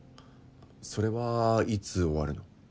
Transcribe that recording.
それはいつ終わるの？